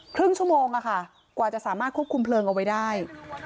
ครึ่งชั่วโมงค่ะกว่าจะสามารถควบคุมเพลิงเอาไว้ได้